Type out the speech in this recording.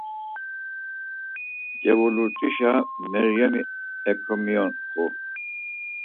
Cevulurt̆işa Meryemi eǩemiyoxu.